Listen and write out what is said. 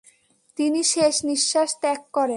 তিনি শেষ নিঃশ্বাস ত্যাগ করেন।